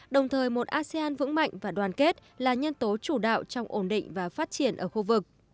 đồng thời một asean vững mạnh và đoàn kết là nhân tố chủ đạo trong ổn định và phát triển ở khu vực